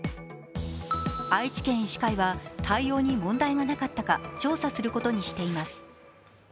愛知県医師会は対応に問題がなかったか、調査することにしています